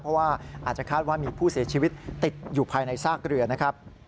เพราะว่าอาจจะคาดว่ามีผู้เสียชีวิตติดอยู่ภายในซากเรือนะครับ